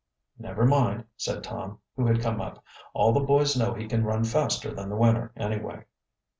"Never mind," said Tom, who had come up. "All the boys know he can run faster than the winner anyway."